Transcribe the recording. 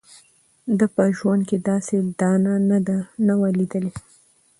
ده په ژوند داسي دانه نه وه لیدلې